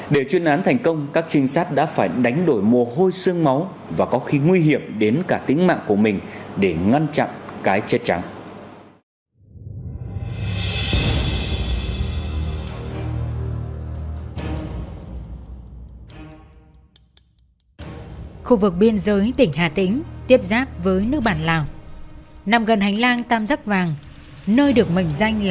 để chuyên án thành công các trinh sát đã phải đánh đổi mồ hôi xương máu và có khi nguy hiểm đến cả tính mạng của mình để ngăn chặn cái chết chắn